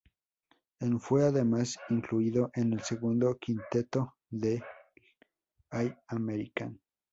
En fue además incluido en el segundo quinteto del All-American.